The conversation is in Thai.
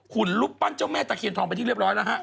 หุ่นรูปปั้นเจ้าแม่ตะเคียนทองไปที่เรียบร้อยแล้วฮะ